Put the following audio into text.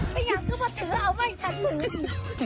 ไม่อยากขึ้นมาถือเอาไว้อีกสักหมื่น